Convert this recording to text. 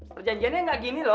perjanjiannya nggak gini loh